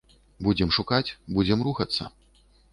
Будзем шукаць, будзем рухацца.